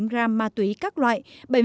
năm hai mươi chín g ma túy các loại